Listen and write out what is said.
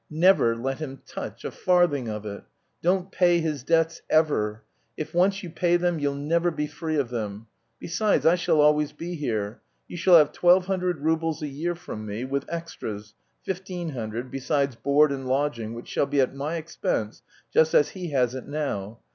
Never let him touch a farthing of it. Don't pay his debts ever. If once you pay them, you'll never be free of them. Besides, I shall always be here. You shall have twelve hundred roubles a year from me, with extras, fifteen hundred, besides board and lodging, which shall be at my expense, just as he has it now.